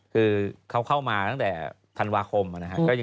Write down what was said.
คือเขาเข้ามาตั้งแต่ธันวาคมนะครับ